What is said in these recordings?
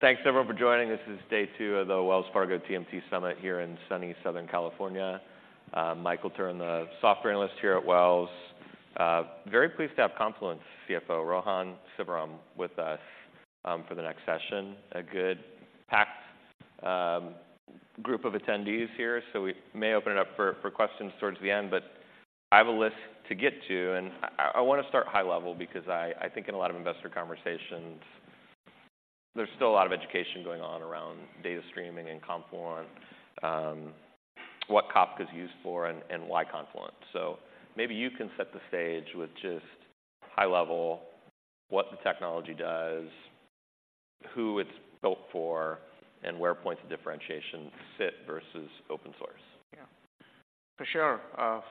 Thanks everyone for joining. This is day two of the Wells Fargo TMT Summit here in sunny Southern California. Michael Turrin, the Software Analyst here at Wells. Very pleased to have Confluent's CFO, Rohan Sivaram, with us, for the next session. A good packed group of attendees here, so we may open it up for questions towards the end, but I have a list to get to, and I wanna start high level because I think in a lot of investor conversations, there's still a lot of education going on around data streaming and Confluent, what Kafka is used for and why Confluent. So maybe you can set the stage with just high level, what the technology does, who it's built for, and where points of differentiation sit versus open source. Yeah. For sure.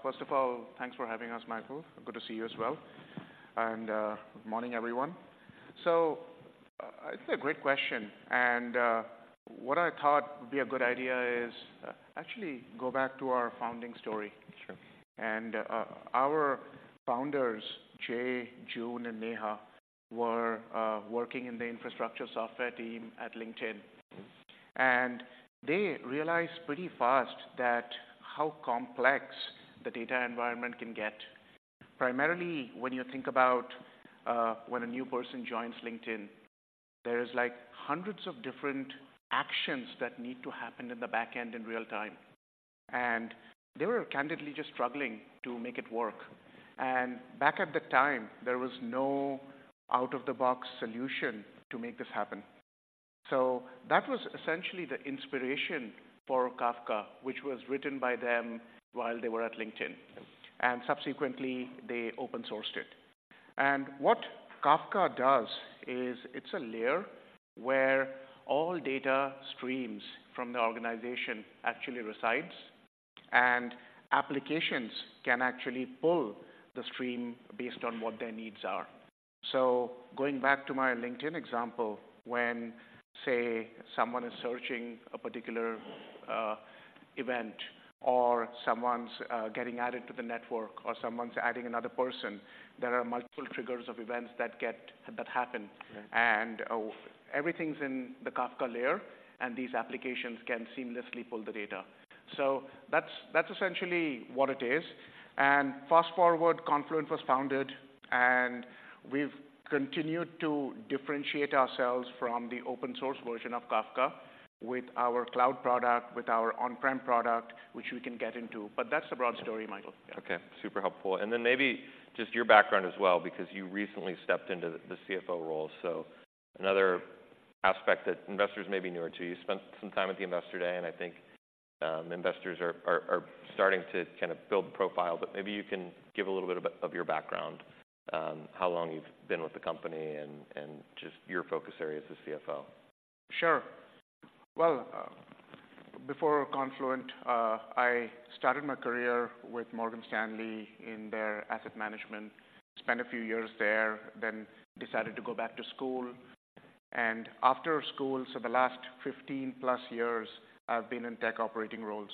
First of all, thanks for having us, Michael. Good to see you as well. Morning, everyone. So I think a great question, and what I thought would be a good idea is actually go back to our founding story. Sure. Our founders, Jay, Jun, and Neha, were working in the infrastructure software team at LinkedIn. Mm-hmm. They realized pretty fast that how complex the data environment can get. Primarily when you think about, when a new person joins LinkedIn, there is, like, hundreds of different actions that need to happen in the back end in real time. And they were candidly just struggling to make it work. And back at the time, there was no out-of-the-box solution to make this happen. So that was essentially the inspiration for Kafka, which was written by them while they were at LinkedIn. Yeah. Subsequently, they open-sourced it. What Kafka does is it's a layer where all data streams from the organization actually resides, and applications can actually pull the stream based on what their needs are. Going back to my LinkedIn example, when, say, someone is searching a particular event, or someone's getting added to the network, or someone's adding another person, there are multiple triggers of events that get... that happen. Right. And, everything's in the Kafka layer, and these applications can seamlessly pull the data. So that's essentially what it is. And fast forward, Confluent was founded, and we've continued to differentiate ourselves from the open source version of Kafka with our cloud product, with our on-prem product, which we can get into, but that's the broad story, Michael. Okay. Super helpful. And then maybe just your background as well, because you recently stepped into the CFO role. So another aspect that investors may be newer to. You spent some time at the Investor Day, and I think investors are starting to kind of build profile, but maybe you can give a little bit of your background, how long you've been with the company and just your focus areas as CFO. Sure. Well, before Confluent, I started my career with Morgan Stanley in their asset management. Spent a few years there, then decided to go back to school. After school, so the last 15+ years, I've been in tech operating roles,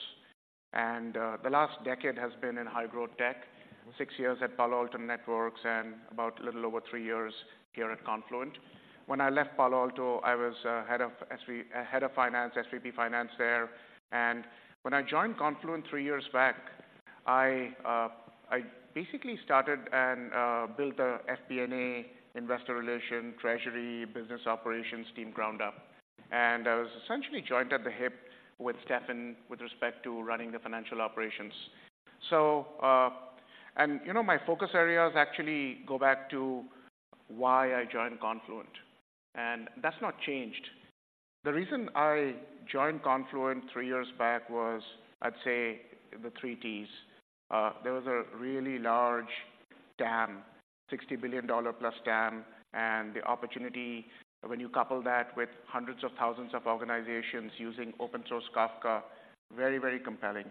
and, the last decade has been in high-growth tech. Six years at Palo Alto Networks and about a little over three years here at Confluent. When I left Palo Alto, I was, head of SVP... Head of finance, SVP finance there. And when I joined Confluent three years back, I, I basically started and, built a FP&A Investor Relations, treasury, business operations team ground up. And I was essentially joined at the hip with Steffan with respect to running the financial operations. So... And, you know, my focus areas actually go back to why I joined Confluent, and that's not changed. The reason I joined Confluent three years back was, I'd say, the three Ts. There was a really large TAM, $60 billion+ TAM, and the opportunity, when you couple that with hundreds of thousands of organizations using open source Kafka, very, very compelling.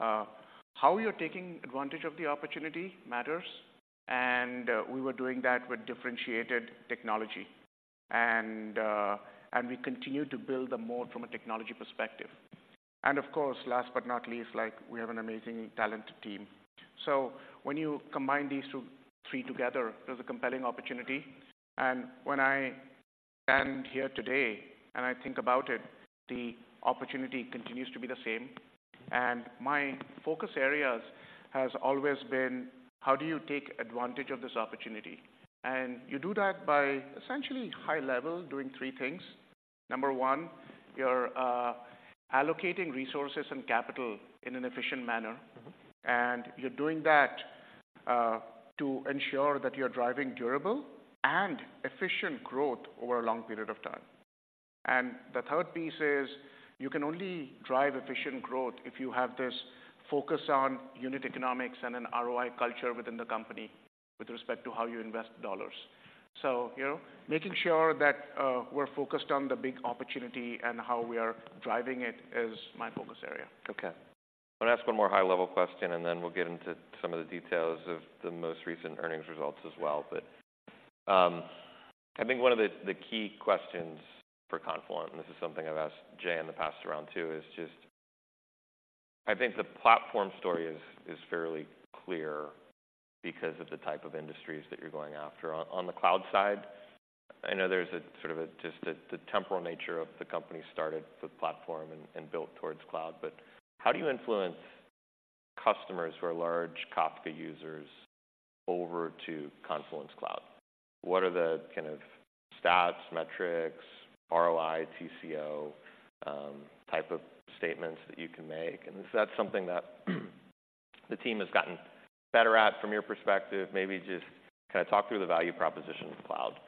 How you're taking advantage of the opportunity matters, and we were doing that with differentiated technology. And and we continued to build a moat from a technology perspective. And of course, last but not least, like, we have an amazing, talented team. So when you combine these three together, there's a compelling opportunity. And when I stand here today and I think about it, the opportunity continues to be the same, and my focus areas has always been, how do you take advantage of this opportunity? And you do that by essentially high level, doing three things. Number one, you're allocating resources and capital in an efficient manner. Mm-hmm. You're doing that to ensure that you're driving durable and efficient growth over a long period of time. The third piece is, you can only drive efficient growth if you have this focus on unit economics and an ROI culture within the company with respect to how you invest dollars. So, you know, making sure that we're focused on the big opportunity and how we are driving it is my focus area. Okay. I'm gonna ask one more high-level question, and then we'll get into some of the details of the most recent earnings results as well. But I think one of the key questions for Confluent, and this is something I've asked Jay in the past around too, is I think the platform story is fairly clear because of the type of industries that you're going after. On the cloud side, I know there's a sort of a just the temporal nature of the company started with platform and built towards cloud. But how do you influence customers who are large Kafka users over to Confluent Cloud? What are the kind of stats, metrics, ROI, TCO, type of statements that you can make? And is that something that the team has gotten better at from your perspective? Maybe just kind of talk through the value proposition of cloud,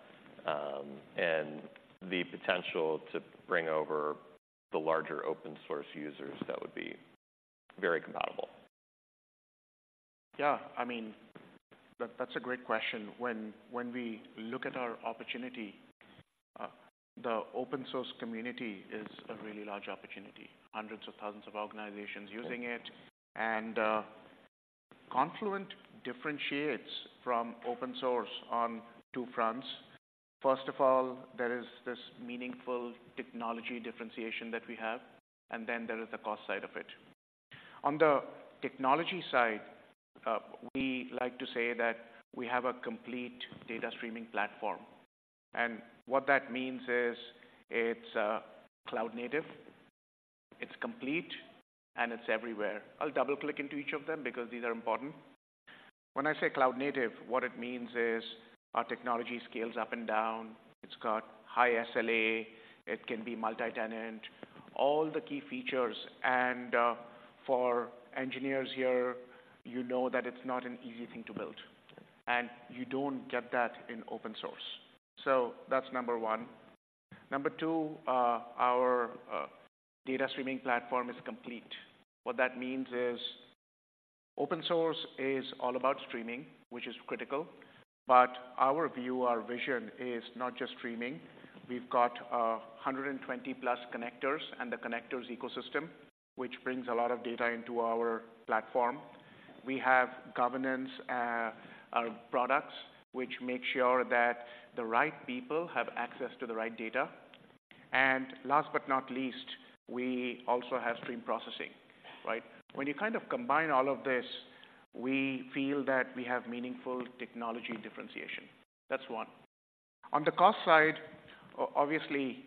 and the potential to bring over the larger open source users that would be very compatible. Yeah, I mean, that's a great question. When we look at our opportunity, the open source community is a really large opportunity, hundreds of thousands of organizations using it. And Confluent differentiates from open source on two fronts. First of all, there is this meaningful technology differentiation that we have, and then there is the cost side of it. On the technology side, we like to say that we have a complete data streaming platform, and what that means is it's cloud native, it's complete, and it's everywhere. I'll double-click into each of them because these are important. When I say cloud native, what it means is our technology scales up and down, it's got high SLA, it can be multi-tenant, all the key features. And, for engineers here, you know that it's not an easy thing to build, and you don't get that in open source. So that's number one. Number two, our data streaming platform is complete. What that means is open source is all about streaming, which is critical, but our view, our vision is not just streaming. We've got 120+ connectors and the connectors ecosystem, which brings a lot of data into our platform. We have governance products, which make sure that the right people have access to the right data. And last but not least, we also have stream processing, right? When you kind of combine all of this, we feel that we have meaningful technology differentiation. That's one. On the cost side, obviously,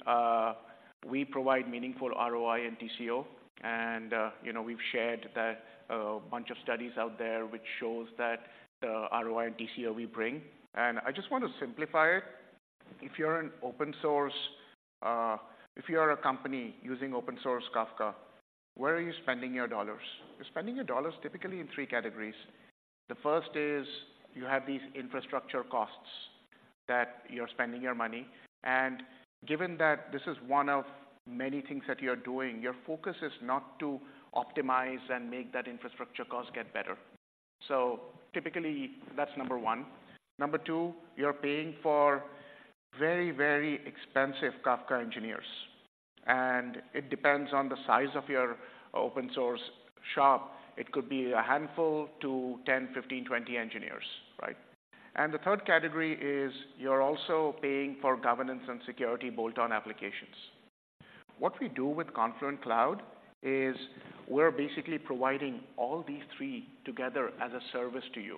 we provide meaningful ROI and TCO, and, you know, we've shared that a bunch of studies out there, which shows that the ROI and TCO we bring. I just want to simplify it. If you are a company using open source Kafka, where are you spending your dollars? You're spending your dollars typically in three categories. The first is you have these infrastructure costs that you're spending your money, and given that this is one of many things that you're doing, your focus is not to optimize and make that infrastructure cost get better. Typically, that's number one. Number two, you're paying for very, very expensive Kafka engineers, and it depends on the size of your open source shop. It could be a handful to 10, 15, 20 engineers, right? The third category is you're also paying for governance and security bolt-on applications. What we do with Confluent Cloud is we're basically providing all these three together as a service to you,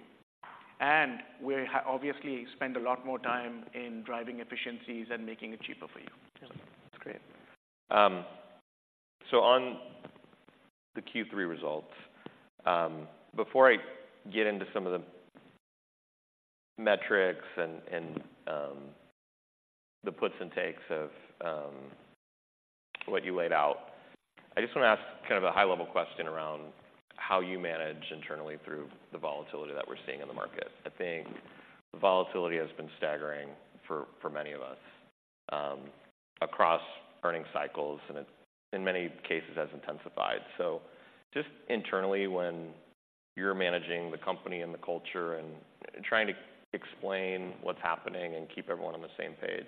and we obviously spend a lot more time in driving efficiencies and making it cheaper for you. Yeah, that's great. So on the Q3 results, before I get into some of the metrics and the puts and takes of what you laid out, I just want to ask kind of a high-level question around how you manage internally through the volatility that we're seeing in the market. I think the volatility has been staggering for many of us across earnings cycles, and it, in many cases, has intensified. So just internally, when you're managing the company and the culture and trying to explain what's happening and keep everyone on the same page,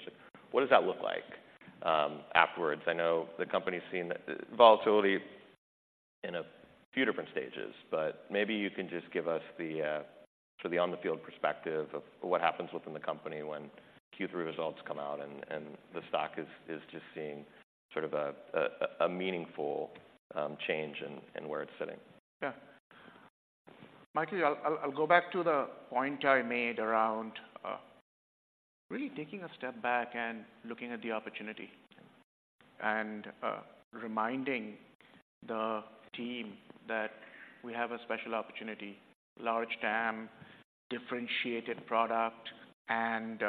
what does that look like, afterwards? I know the company's seen volatility in a few different stages, but maybe you can just give us the sort of the on-the-field perspective of what happens within the company when Q3 results come out and the stock is just seeing sort of a meaningful change in where it's sitting. Yeah. Michael, I'll go back to the point I made around really taking a step back and looking at the opportunity, and reminding the team that we have a special opportunity, large TAM, differentiated product, and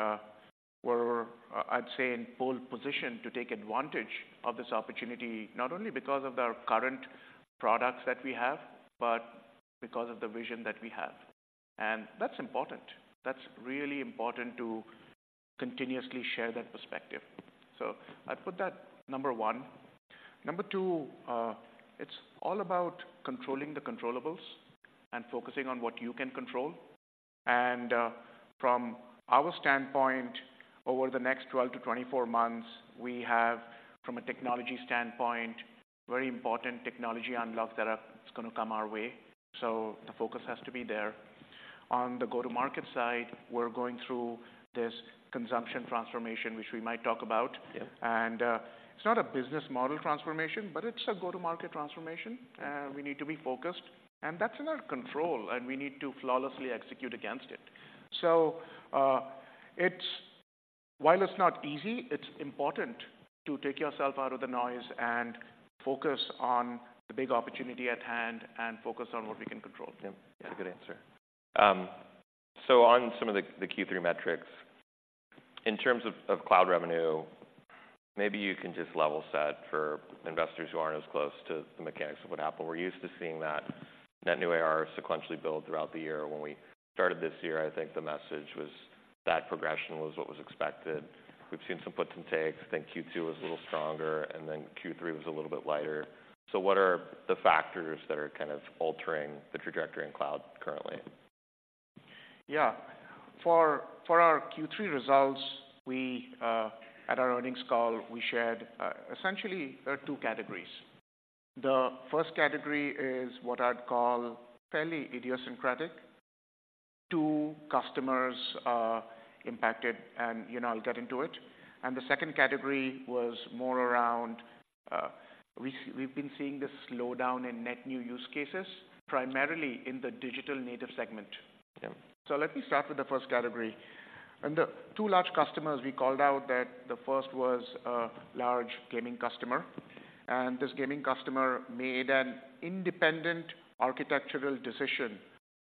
we're, I'd say, in pole position to take advantage of this opportunity, not only because of the current products that we have, but because of the vision that we have. And that's important. That's really important to continuously share that perspective. So I'd put that number one. Number two, it's all about controlling the controllables and focusing on what you can control. And from our standpoint, over the next 12-24 months, we have, from a technology standpoint, very important technology unlocks that are gonna come our way, so the focus has to be there. On the go-to-market side, we're going through this consumption transformation, which we might talk about. Yeah. It's not a business model transformation, but it's a go-to-market transformation. We need to be focused, and that's in our control, and we need to flawlessly execute against it. So, while it's not easy, it's important to take yourself out of the noise and focus on the big opportunity at hand, and focus on what we can control. Yeah, that's a good answer. So on some of the Q3 metrics, in terms of cloud revenue, maybe you can just level set for investors who aren't as close to the mechanics of what we. We're used to seeing that Net New ARR sequentially build throughout the year. When we started this year, I think the message was that progression was what was expected. We've seen some puts and takes. I think Q2 was a little stronger, and then Q3 was a little bit lighter. So what are the factors that are kind of altering the trajectory in cloud currently? Yeah. For our Q3 results, at our earnings call, we shared... Essentially, there are two categories. The first category is what I'd call fairly idiosyncratic. Two customers are impacted, and, you know, I'll get into it. And the second category was more around, we've been seeing this slowdown in net new use cases, primarily in the digital native segment. Yeah. So let me start with the first category. The two large customers, we called out that the first was a large gaming customer, and this gaming customer made an independent architectural decision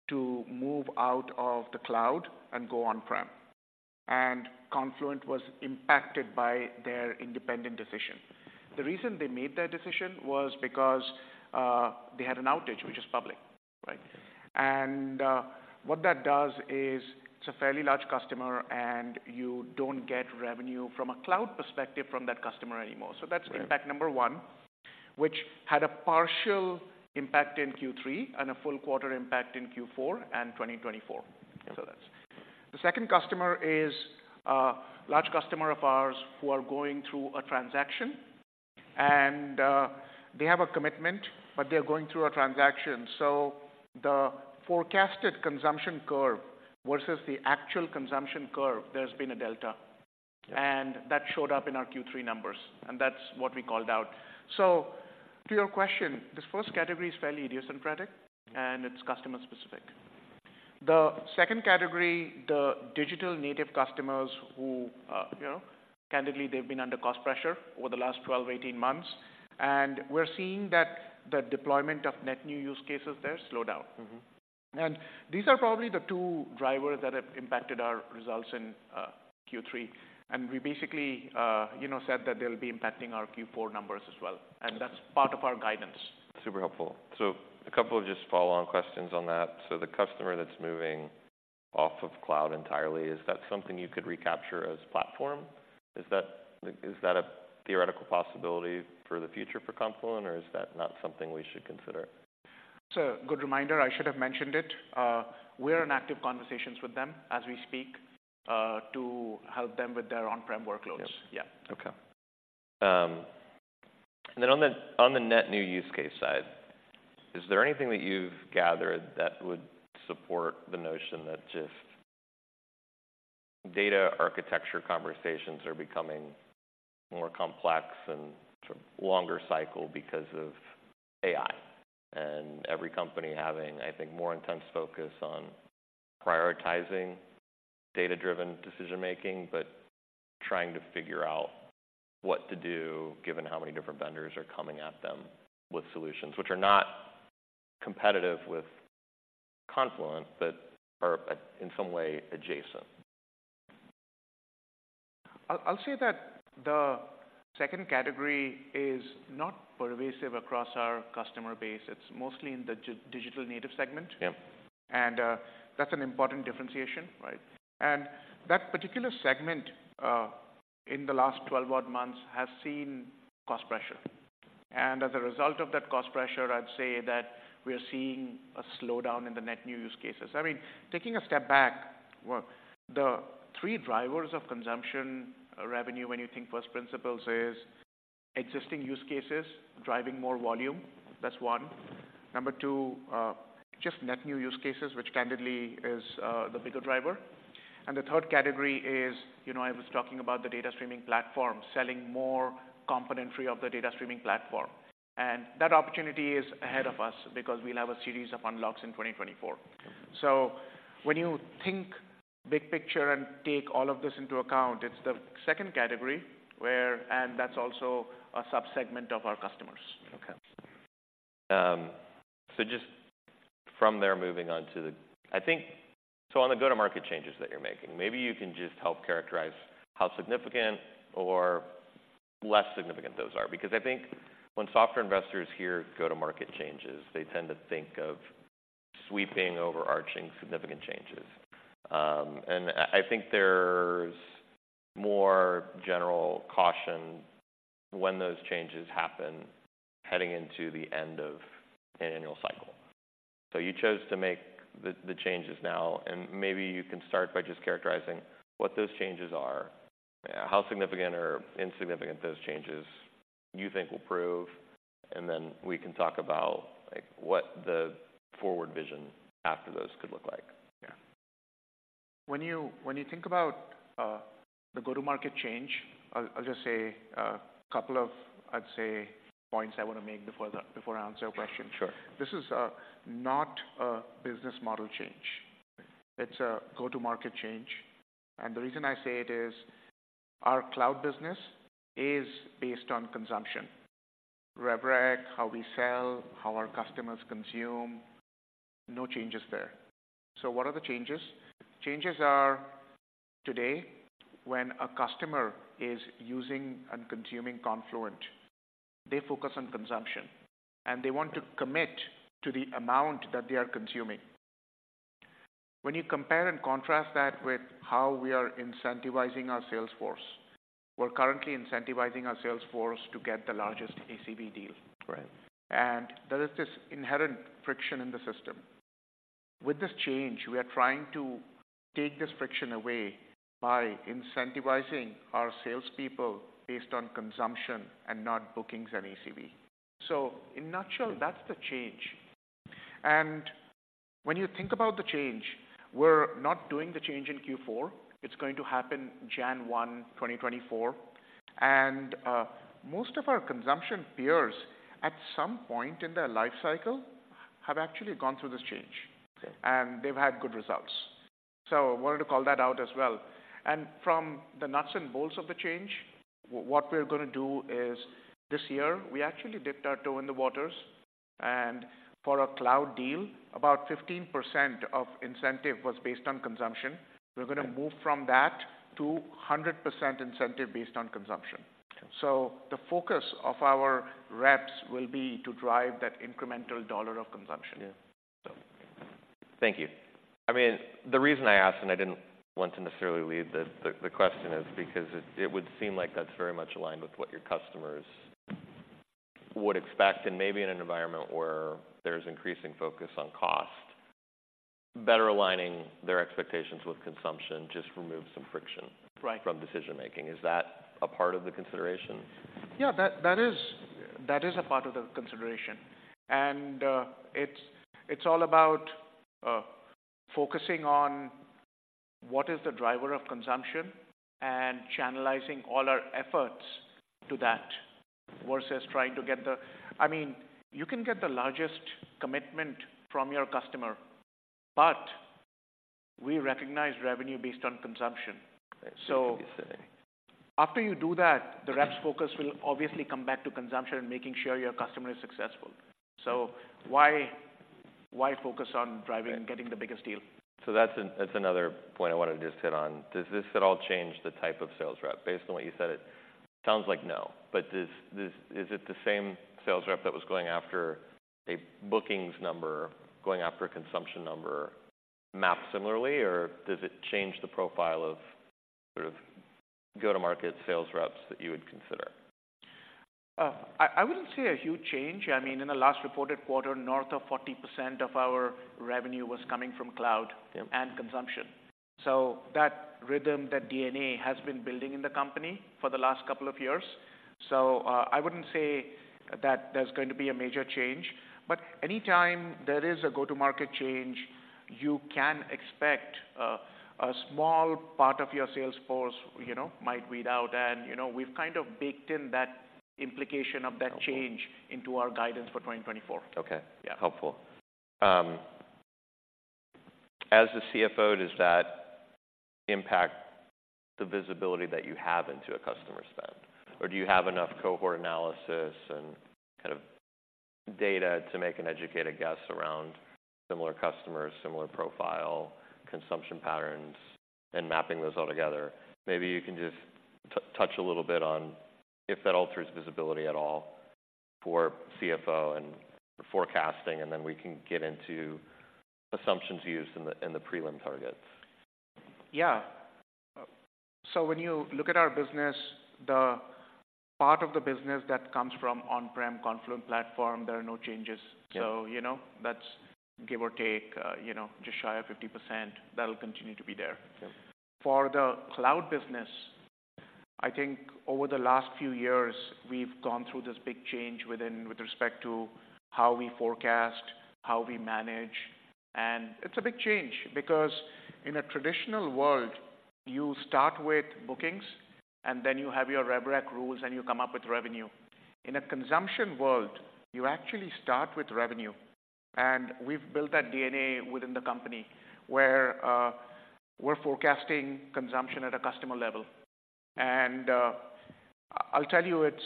to move out of the cloud and go on-prem, and Confluent was impacted by their independent decision. The reason they made that decision was because they had an outage, which is public, right? Yeah. What that does is, it's a fairly large customer, and you don't get revenue from a cloud perspective from that customer anymore. Right. That's impact number one, which had a partial impact in Q3 and a full quarter impact in Q4 and 2024. Yeah. So that's... The second customer is a large customer of ours who are going through a transaction, and they have a commitment, but they're going through a transaction. So the forecasted consumption curve versus the actual consumption curve, there's been a delta. Yeah. That showed up in our Q3 numbers, and that's what we called out. So to your question, this first category is fairly idiosyncratic, and it's customer specific. The second category, the digital native customers who, you know, candidly, they've been under cost pressure over the last 12 months, 18 months, and we're seeing that the deployment of net new use cases there slowed down. Mm-hmm. And these are probably the two drivers that have impacted our results in Q3. And we basically, you know, said that they'll be impacting our Q4 numbers as well, and that's part of our guidance. Super helpful. So a couple of just follow-on questions on that. So the customer that's moving off of cloud entirely, is that something you could recapture as platform? Is that, is that a theoretical possibility for the future for Confluent, or is that not something we should consider? It's a good reminder. I should have mentioned it. We're in active conversations with them as we speak, to help them with their on-prem workloads. Yeah. Yeah. Okay. And then on the, on the net new use case side, is there anything that you've gathered that would support the notion that just data architecture conversations are becoming more complex and longer cycle because of AI? And every company having, I think, more intense focus on prioritizing data-driven decision making, but trying to figure out what to do, given how many different vendors are coming at them with solutions which are not competitive with Confluent, but are in some way adjacent. I'll say that the second category is not pervasive across our customer base. It's mostly in the digital native segment. Yeah. That's an important differentiation, right? That particular segment, in the last 12 odd months, has seen cost pressure, and as a result of that cost pressure, I'd say that we are seeing a slowdown in the net new use cases. I mean, taking a step back, well, the three drivers of consumption revenue, when you think first principles, is existing use cases driving more volume. That's one. Number two, just net new use cases, which candidly is the bigger driver. And the third category is, you know, I was talking about the data streaming platform, selling more complementary of the data streaming platform. And that opportunity is ahead of us because we'll have a series of unlocks in 2024. Okay. When you think big picture and take all of this into account, it's the second category where... That's also a subsegment of our customers. Okay. So just from there, moving on to the—I think—so on the go-to-market changes that you're making, maybe you can just help characterize how significant or less significant those are. Because I think when software investors hear go-to-market changes, they tend to think of sweeping, overarching, significant changes. And I think there's more general caution when those changes happen heading into the end of an annual cycle. So you chose to make the, the changes now, and maybe you can start by just characterizing what those changes are, how significant or insignificant those changes are? You think will prove, and then we can talk about, like, what the forward vision after those could look like. Yeah. When you, when you think about, the go-to-market change, I'll, I'll just say, a couple of, I'd say, points I wanna make before the, before I answer your question. Sure. This is not a business model change. It's a go-to-market change. And the reason I say it is, our cloud business is based on consumption. Rev Rec, how we sell, how our customers consume, no changes there. So what are the changes? Changes are today, when a customer is using and consuming Confluent, they focus on consumption, and they want to commit to the amount that they are consuming. When you compare and contrast that with how we are incentivizing our sales force, we're currently incentivizing our sales force to get the largest ACV deal. Right. And there is this inherent friction in the system. With this change, we are trying to take this friction away by incentivizing our salespeople based on consumption and not bookings and ACV. So in a nutshell, that's the change. And when you think about the change, we're not doing the change in Q4. It's going to happen January 1, 2024. And most of our consumption peers, at some point in their life cycle, have actually gone through this change. Okay. They've had good results. I wanted to call that out as well. From the nuts and bolts of the change, what we're gonna do is this year, we actually dipped our toe in the waters, and for a cloud deal, about 15% of incentive was based on consumption. Okay. We're gonna move from that to 100% incentive based on consumption. Okay. The focus of our reps will be to drive that incremental dollar of consumption. Yeah. So. Thank you. I mean, the reason I asked, and I didn't want to necessarily lead the question is because it would seem like that's very much aligned with what your customers would expect, and maybe in an environment where there's increasing focus on cost, better aligning their expectations with consumption, just removes some friction- Right from decision making. Is that a part of the consideration? Yeah, that is... That is a part of the consideration. And, it's all about focusing on what is the driver of consumption and channelizing all our efforts to that, versus trying to get the-- I mean, you can get the largest commitment from your customer, but we recognize revenue based on consumption. Right. So- Yes, certainly. After you do that, the rep's focus will obviously come back to consumption and making sure your customer is successful. So why, why focus on driving and getting the biggest deal? So that's another point I wanted to just hit on. Does this at all change the type of sales rep? Based on what you said, it sounds like no, but does this – is it the same sales rep that was going after a bookings number, going after a consumption number, mapped similarly, or does it change the profile of sort of go-to-market sales reps that you would consider? I wouldn't say a huge change. I mean, in the last reported quarter, north of 40% of our revenue was coming from cloud- Yeah -and consumption. So that rhythm, that DNA, has been building in the company for the last couple of years. So, I wouldn't say that there's going to be a major change, but anytime there is a go-to-market change, you can expect, a small part of your sales force, you know, might weed out. And, you know, we've kind of baked in that implication of that change- Okay. -into our guidance for 2024. Okay. Yeah. Helpful. As the CFO, does that impact the visibility that you have into a customer spend, or do you have enough cohort analysis and kind of data to make an educated guess around similar customers, similar profile, consumption patterns, and mapping those all together? Maybe you can just touch a little bit on if that alters visibility at all for CFO and forecasting, and then we can get into assumptions used in the prelim targets. Yeah. When you look at our business, the part of the business that comes from on-prem Confluent Platform, there are no changes. Yeah. So, you know, that's give or take, you know, just shy of 50%. That'll continue to be there. Yeah. For the cloud business, I think over the last few years, we've gone through this big change with respect to how we forecast, how we manage, and it's a big change because in a traditional world, you start with bookings, and then you have your rev rec rules, and you come up with revenue. In a consumption world, you actually start with revenue, and we've built that DNA within the company, where we're forecasting consumption at a customer level. And, I'll tell you, it's,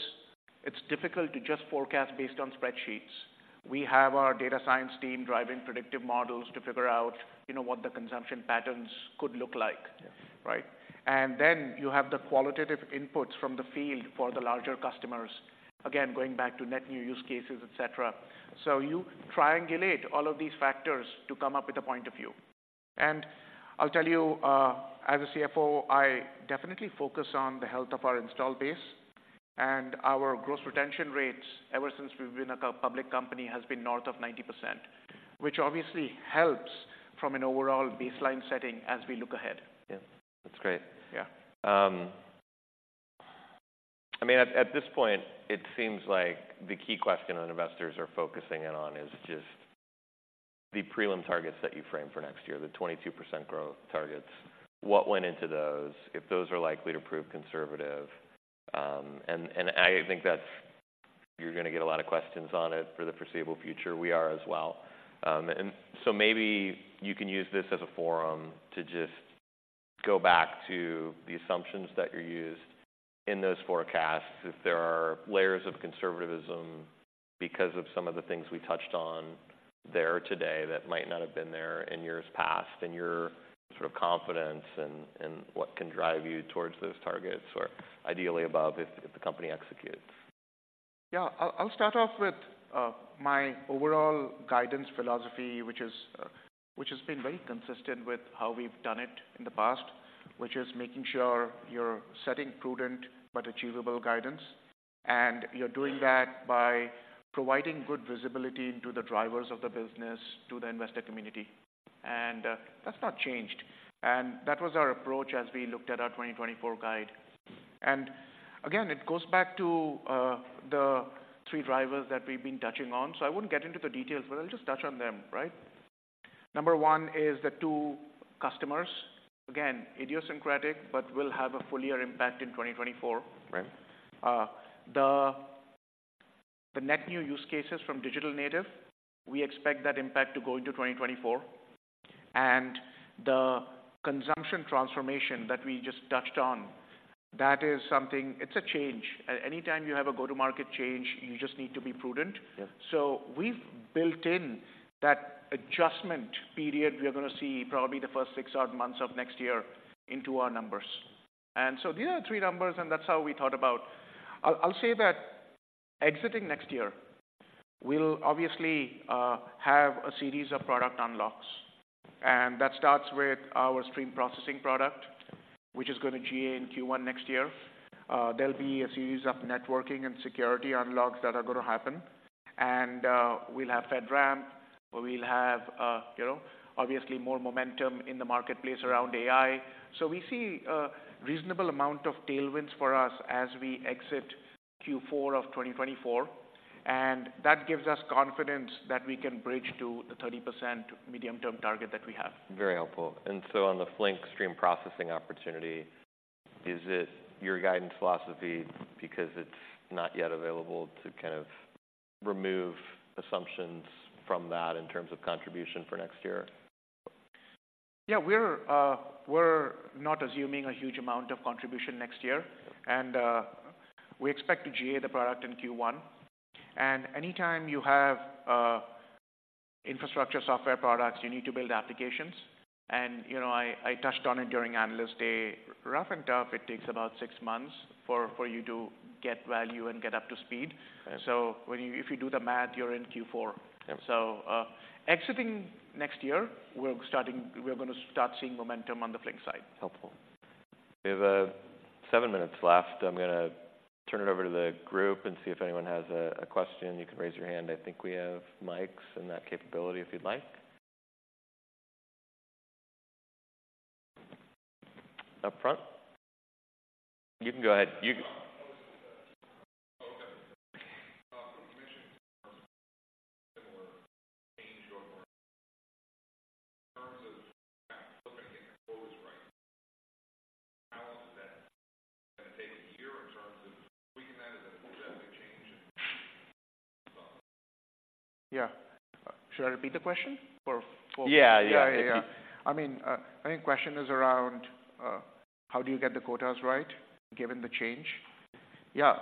it's difficult to just forecast based on spreadsheets. We have our data science team driving predictive models to figure out, you know, what the consumption patterns could look like. Yeah. Right? And then you have the qualitative inputs from the field for the larger customers. Again, going back to net new use cases, et cetera. So you triangulate all of these factors to come up with a point of view. And I'll tell you, as a CFO, I definitely focus on the health of our install base, and our gross retention rates, ever since we've been a public company, has been north of 90%, which obviously helps from an overall baseline setting as we look ahead. Yeah... That's great. Yeah. I mean, at this point, it seems like the key question that investors are focusing in on is just the prelim targets that you framed for next year, the 22% growth targets. What went into those, if those are likely to prove conservative? And I think that's—you're gonna get a lot of questions on it for the foreseeable future. We are as well. And so maybe you can use this as a forum to just go back to the assumptions that you used in those forecasts, if there are layers of conservatism because of some of the things we touched on there today that might not have been there in years past, and your sort of confidence and what can drive you towards those targets, or ideally above, if the company executes. Yeah. I'll start off with my overall guidance philosophy, which is, which has been very consistent with how we've done it in the past, which is making sure you're setting prudent but achievable guidance, and you're doing that by providing good visibility into the drivers of the business to the investor community, and that's not changed. And that was our approach as we looked at our 2024 guidance. And again, it goes back to the three drivers that we've been touching on. So I wouldn't get into the details, but I'll just touch on them, right? Number one is the two customers. Again, idiosyncratic, but will have a fuller impact in 2024, right? The net new use cases from digital native, we expect that impact to go into 2024. The consumption transformation that we just touched on, that is something... It's a change. At any time you have a go-to-market change, you just need to be prudent. Yeah. So we've built in that adjustment period, we are gonna see probably the first six odd months of next year into our numbers. And so these are the three numbers, and that's how we thought about... I'll say that exiting next year, we'll obviously have a series of product unlocks, and that starts with our stream processing product, which is going to GA in Q1 next year. There'll be a series of networking and security unlocks that are gonna happen. And we'll have FedRAMP, we'll have, you know, obviously more momentum in the marketplace around AI. So we see a reasonable amount of tailwinds for us as we exit Q4 of 2024, and that gives us confidence that we can bridge to the 30% medium-term target that we have. Very helpful. And so on the Flink stream processing opportunity, is it your guidance philosophy because it's not yet available to kind of remove assumptions from that in terms of contribution for next year? Yeah, we're, we're not assuming a huge amount of contribution next year, and we expect to GA the product in Q1. And anytime you have infrastructure software products, you need to build applications. And, you know, I, I touched on it during Analyst Day. Rough and tough, it takes about six months for, for you to get value and get up to speed. Okay. So if you do the math, you're in Q4. Yeah. Exiting next year, we are gonna start seeing momentum on the Flink side. Helpful. We have seven minutes left. I'm gonna turn it over to the group and see if anyone has a question. You can raise your hand. I think we have mics and that capability, if you'd like. Up front. You can go ahead. You... Yeah. Should I repeat the question or- Yeah. Yeah. Yeah, yeah. I mean, I think question is around how do you get the quotas right, given the change? Yeah,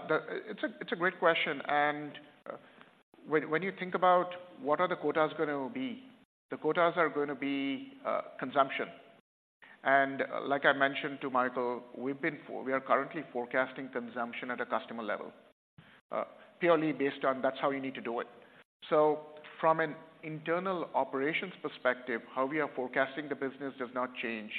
it's a great question, and when you think about what are the quotas gonna be, the quotas are going to be consumption. And like I mentioned to Michael, we are currently forecasting consumption at a customer level, purely based on that's how you need to do it. So from an internal operations perspective, how we are forecasting the business does not change.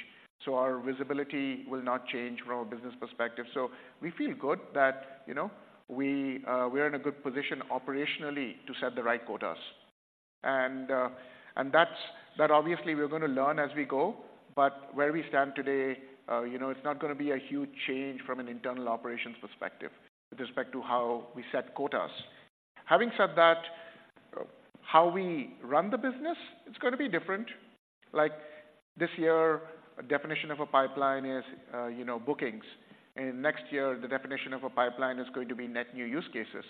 So our visibility will not change from a business perspective. So we feel good that, you know, we are in a good position operationally to set the right quotas. And that's... That obviously we're gonna learn as we go, but where we stand today, you know, it's not gonna be a huge change from an internal operations perspective with respect to how we set quotas. Having said that, how we run the business, it's gonna be different. Like, this year, a definition of a pipeline is, you know, bookings, and next year, the definition of a pipeline is going to be net new use cases.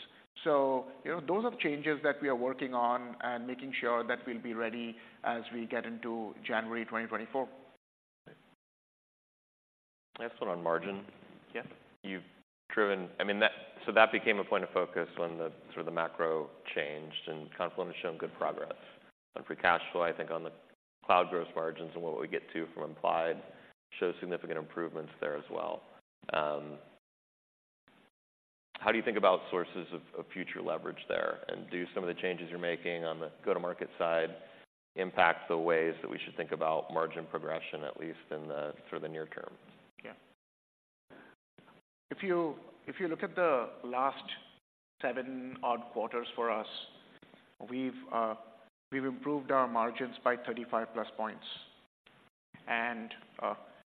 So, you know, those are changes that we are working on and making sure that we'll be ready as we get into January 2024. Last one on margin. Yeah. You've driven... I mean, that—so that became a point of focus when the, sort of, the macro changed, and Confluent has shown good progress on free cash flow. I think on the cloud gross margins and what we get to from implied shows significant improvements there as well. How do you think about sources of future leverage there? And do some of the changes you're making on the go-to-market side impact the ways that we should think about margin progression, at least in the sort of, the near term? Yeah. If you, if you look at the last seven odd quarters for us, we've we've improved our margins by 35+ points. And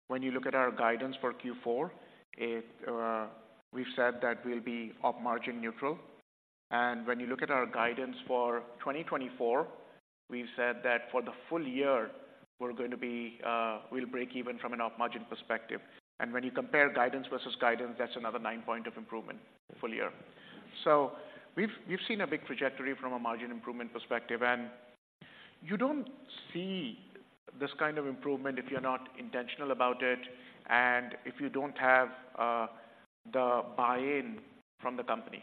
when you look at our guidance for Q4, we've said that we'll be op margin neutral. And when you look at our guidance for 2024, we've said that for the full year, we're going to be we'll break even from an op margin perspective. And when you compare guidance versus guidance, that's another nine-point of improvement full year. So we've we've seen a big trajectory from a margin improvement perspective, and you don't see this kind of improvement if you're not intentional about it and if you don't have the buy-in from the company.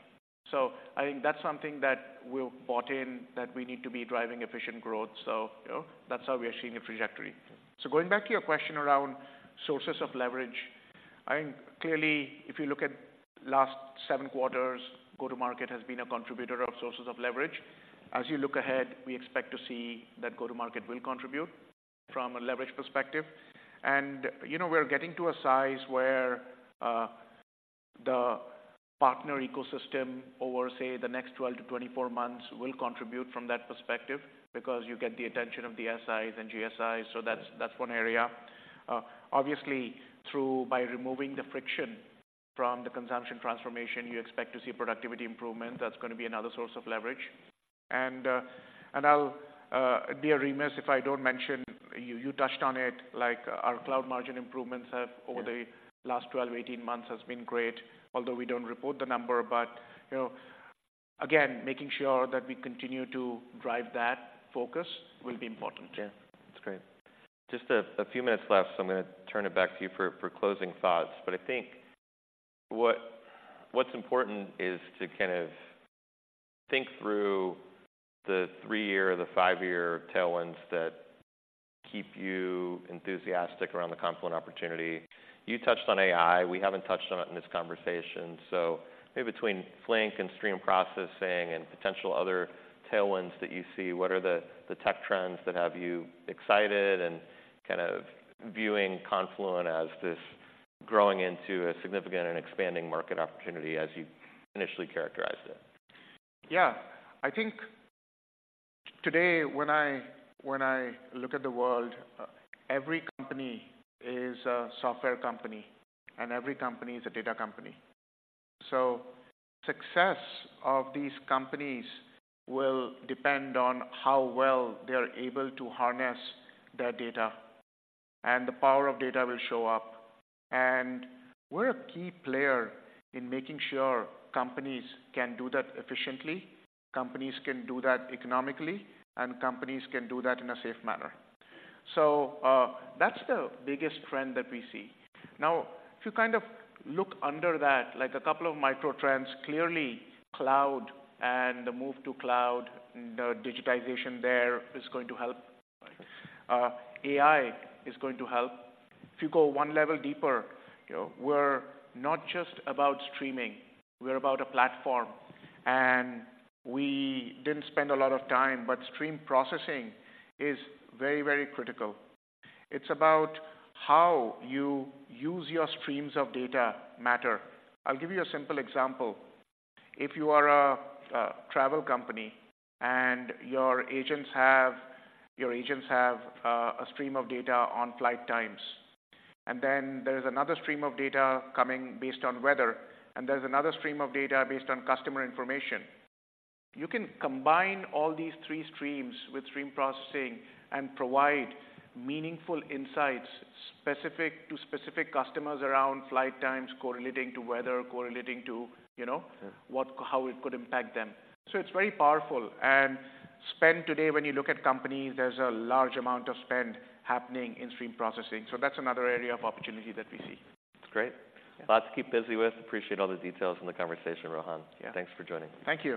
So I think that's something that we've bought in, that we need to be driving efficient growth. So, you know, that's how we are seeing a trajectory. So going back to your question around sources of leverage, I think clearly if you look at last seven quarters, go-to-market has been a contributor of sources of leverage. As you look ahead, we expect to see that go-to-market will contribute from a leverage perspective. And, you know, we're getting to a size where the partner ecosystem over, say, the next 12-24 months, will contribute from that perspective because you get the attention of the SIs and GSIs. So that's one area. Obviously by removing the friction from the consumption transformation, you expect to see productivity improvement. That's going to be another source of leverage. I'll be remiss if I don't mention, you touched on it, like our cloud margin improvements over the last 12 months, 18 months has been great, although we don't report the number. But, you know, again, making sure that we continue to drive that focus will be important. Yeah, that's great. Just a few minutes left, so I'm gonna turn it back to you for closing thoughts. But I think what's important is to kind of think through the three-year or the five-year tailwinds that keep you enthusiastic around the Confluent opportunity. You touched on AI. We haven't touched on it in this conversation. So maybe between Flink and stream processing and potential other tailwinds that you see, what are the tech trends that have you excited and kind of viewing Confluent as this growing into a significant and expanding market opportunity as you initially characterized it? Yeah. I think today, when I look at the world, every company is a software company, and every company is a data company. So success of these companies will depend on how well they are able to harness their data, and the power of data will show up. And we're a key player in making sure companies can do that efficiently, companies can do that economically, and companies can do that in a safe manner. So, that's the biggest trend that we see. Now, if you kind of look under that, like a couple of microtrends, clearly cloud and the move to cloud, the digitization there is going to help. Right. AI is going to help. If you go one level deeper, you know, we're not just about streaming, we're about a platform. And we didn't spend a lot of time, but stream processing is very, very critical. It's about how you use your streams of data matter. I'll give you a simple example. If you are a travel company and your agents have a stream of data on flight times, and then there is another stream of data coming based on weather, and there's another stream of data based on customer information, you can combine all these three streams with stream processing and provide meaningful insights specific to specific customers around flight times, correlating to weather, correlating to, you know- Yeah. What, how it could impact them. So it's very powerful. And spend today, when you look at companies, there's a large amount of spend happening in stream processing. So that's another area of opportunity that we see. That's great. Lots to keep busy with. Appreciate all the details in the conversation, Rohan. Yeah. Thanks for joining. Thank you.